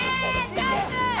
チャンス！